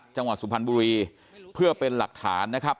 จังหวัดสุพรรณบุรีเพื่อเป็นหลักฐานนะครับ